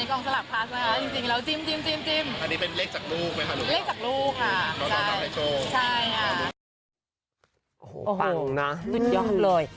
โอ้โหปังนะสุดยอดเลย